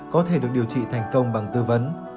có thể được điều trị thành công bằng tư vấn